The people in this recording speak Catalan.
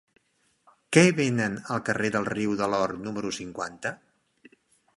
Què venen al carrer del Riu de l'Or número cinquanta?